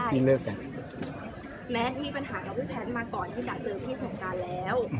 แมทมีปัญหาของพี่แพทย์มาก่อนที่จะเจอพี่ส่งการแล้ว